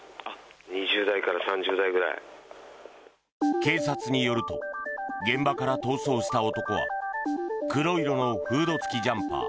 警察によると現場から逃走した男は黒色のフード付きジャンパー